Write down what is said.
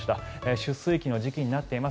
出水期の時期になっています。